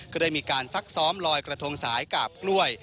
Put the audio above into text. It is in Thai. ก็ได้มีการซักซ้อมลอยกระทงสายกาบกล้วย